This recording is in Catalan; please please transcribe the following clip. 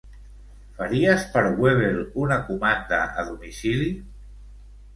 Faries per Webel una comanda a domicili?